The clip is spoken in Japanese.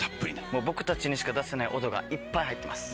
もう僕たちにしか出せない音がいっぱい入ってます。